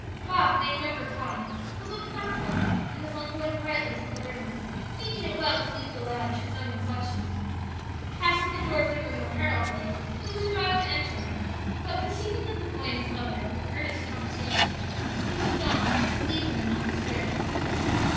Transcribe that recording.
'" Bob made no reply, but looked thoughtful, and his uncle went quietly from the room, thinking it well to leave the lad to his own reflections. Passing the door of the room where Harold lay, he was about to enter, but perceiving that the boy and his mother were in earnest conversation, he moved on, leaving them undisturbed.